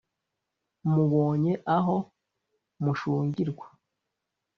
mubonye aho mushungirwa,